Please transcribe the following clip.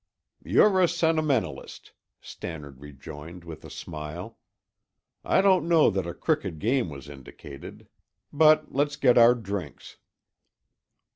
"You're a sentimentalist," Stannard rejoined with a smile. "I don't know that a crooked game was indicated. But let's get our drinks."